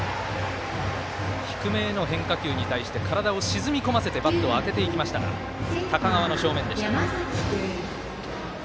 低めへの変化球に対して体を沈み込ませてバットを当てていきましたが高川の正面でした。